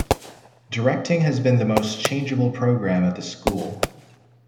Directing has been the most changeable program at the school.